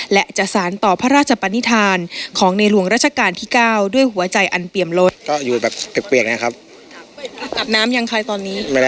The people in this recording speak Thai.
และจะสารต่อพระราชปนิธานของในหลวงราชการที่เก้าด้วยหัวใจอันเปรียมลน